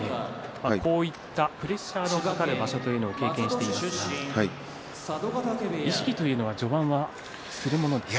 こういったプレッシャーのかかる場所というのを経験していますが意識というのは序盤はするものですか？